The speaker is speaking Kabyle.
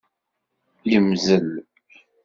Yemmzel.